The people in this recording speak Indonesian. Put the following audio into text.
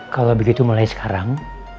kalau begitu mulai sekarang